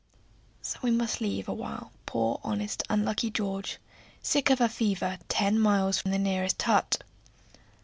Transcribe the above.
So we must leave awhile poor, honest, unlucky George, sick of a fever, ten miles from the nearest hut.